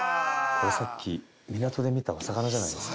さっき港で見たお魚じゃないですか？